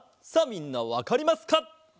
さあみんなわかりますか？